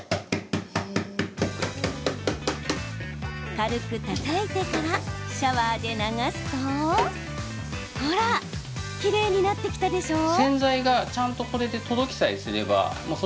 軽くたたいてからシャワーで流すと、ほらきれいになってきたでしょう。